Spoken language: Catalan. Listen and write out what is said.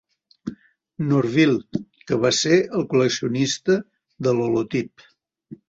Norville, que va ser el col·leccionista de l'holotip.